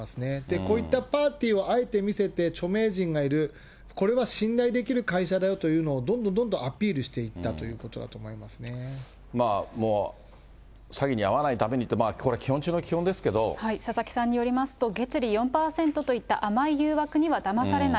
こういったパーティーをあえて見せて、著名人がいる、これは信頼できる会社だよというのを、どんどんどんどんアピールしていった詐欺に遭わないためにって、佐々木さんによりますと、月利４％といった甘い誘惑にはだまされない。